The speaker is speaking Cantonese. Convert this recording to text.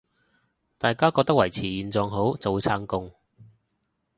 大家覺得維持現狀好，就會撐共